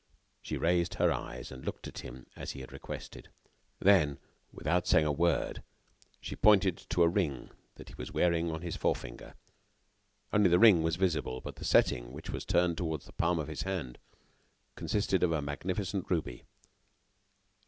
She raised her eyes and looked at him as he had requested. Then, without saying a word, she pointed to a ring he was wearing on his forefinger. Only the ring was visible; but the setting, which was turned toward the palm of his hand, consisted of a magnificent ruby.